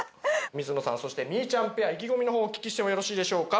水野さんそしてみーちゃんペア意気込みの方をお聞きしてもよろしいでしょうか？